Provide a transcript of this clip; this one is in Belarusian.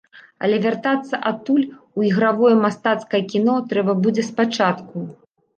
Але вяртацца адтуль у ігравое мастацкае кіно трэба будзе з пачатку.